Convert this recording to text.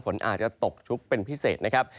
ฝนอาจจะตกชุกเป็นพิเศษนะครับ